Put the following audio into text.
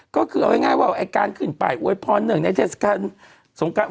ก็คือเอาง่ายว่าไอ้การขึ้นไปอวยพรหนึ่งในเทศกาลสงการ